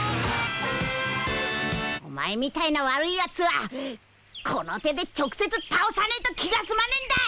お前みたいな悪いヤツはこの手で直接倒さねえと気が済まねえんだい！